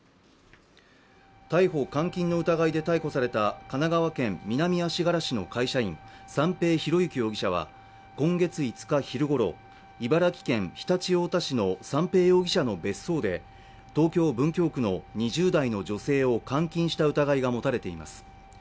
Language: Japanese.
逮捕監禁の疑いで逮捕された神奈川県南足柄市の会社員、三瓶博幸容疑者は今月５日昼ごろ、茨城県常陸太田市の三瓶容疑者の別荘で東京・文京区の２０代の女性を監禁した疑いが持たれています。